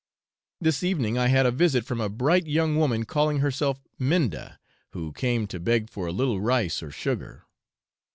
This evening I had a visit from a bright young woman, calling herself Minda, who came to beg for a little rice or sugar.